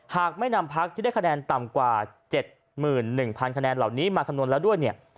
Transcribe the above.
หากไม่นำพักที่ได้คะแนนต่ำกว่า๗๑๐๐คะแนนเหล่านี้มาคำนวณแล้วด้วยเนี่ย